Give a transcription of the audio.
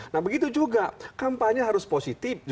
nah begitu juga kampanye harus positif